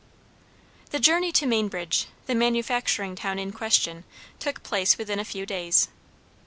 The journey to Mainbridge, the manufacturing town in question, took place within a few days.